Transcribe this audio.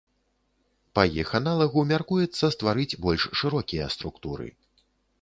Па іх аналагу мяркуецца стварыць больш шырокія структуры.